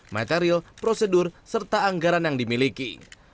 material prosedur serta anggaran yang dimiliki